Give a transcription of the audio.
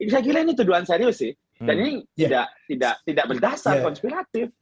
saya kira ini tuduhan serius sih dan ini tidak berdasar konspiratif